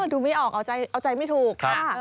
ดูไม่ออกเอาใจไม่ถูกค่ะ